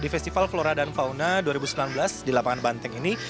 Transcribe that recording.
festival flora dan fauna dua ribu sembilan belas di lapangan banteng ini